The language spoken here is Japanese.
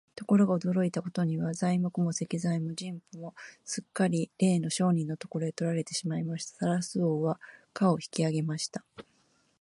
ところが、驚いたことには、材木も石材も人夫もすっかりれいの商人のところへ取られてしまいました。タラス王は価を引き上げました。